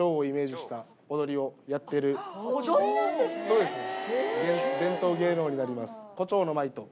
そうですね。